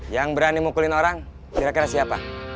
yang berani mukulin orang kira kira siapa